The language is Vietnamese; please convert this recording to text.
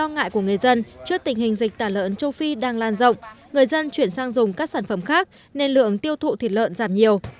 lo ngại của người dân trước tình hình dịch tả lợn châu phi đang lan rộng người dân chuyển sang dùng các sản phẩm khác nên lượng tiêu thụ thịt lợn giảm nhiều